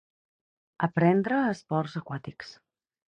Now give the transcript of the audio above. Aprendre esports aquàtics.